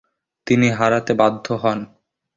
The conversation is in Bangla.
তিনি হারাতে বাধ্য হন।